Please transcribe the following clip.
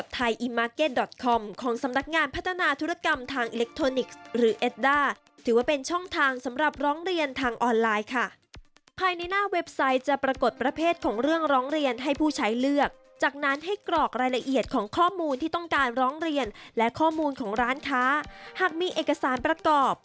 ติดตามได้จากคุณจิรพาได้เลยครับ